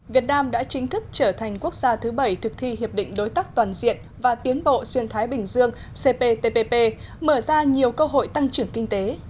việt nam đã chính thức trở thành quốc gia thứ bảy thực thi hiệp định đối tác toàn diện và tiến bộ xuyên thái bình dương cptpp mở ra nhiều cơ hội tăng trưởng kinh tế